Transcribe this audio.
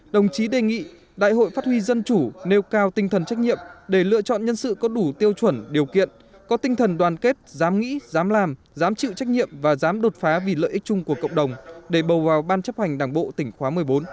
đồng chí đề nghị đại hội phát huy dân chủ nêu cao tinh thần trách nhiệm để lựa chọn nhân sự có đủ tiêu chuẩn điều kiện có tinh thần đoàn kết dám nghĩ dám làm dám chịu trách nhiệm và dám đột phá vì lợi ích chung của cộng đồng để bầu vào ban chấp hành đảng bộ tỉnh khóa một mươi bốn